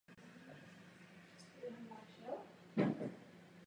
Mimo Norska hrál fotbal na klubové úrovni v Anglii.